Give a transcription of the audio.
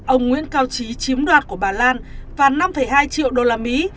ông nguyễn cao trí chiếm đoạt của bà lan và năm hai triệu đô la mỹ